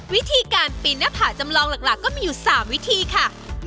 วิธีการปีนหน้าผาจำลองหลักก็มีอยู่๓วิธีค่ะ